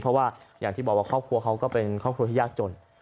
เพราะว่าอย่างที่บอกว่าครอบครัวเขาก็เป็นครอบครัวที่ยากจน